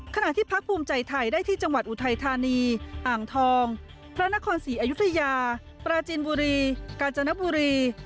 ขณะที่พักภูมิใจไทยได้ที่จังหวัดอุทัยธานีอ่างทองพระนครศรีอยุธยาปราจินบุรีกาญจนบุรี